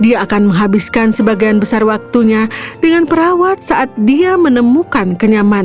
dia akan menghabiskan sebagian besar waktunya dengan perawat saat dia menemukan kenyamanan